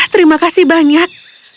terima kasih banyak